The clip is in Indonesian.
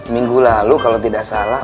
minggu lalu kalau tidak salah